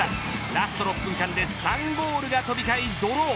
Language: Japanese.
ラスト６分間で３ゴールが飛び交いドロー。